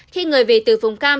khi người về từ vùng cam